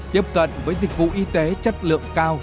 tiếp cận với dịch vụ y tế chất lượng cao